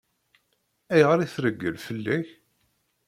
Ayɣer i treggel fell-ak?